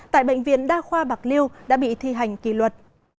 tại bệnh viện đa khoa bạc liêu đã bị thi hành kỷ luật